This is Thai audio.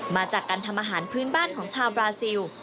มาจากการทำอาหารพื้นบ้านของชาวบราซิล